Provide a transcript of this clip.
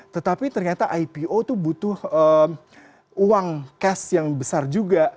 tetapi ternyata ipo tuh butuh uang cash yang besar juga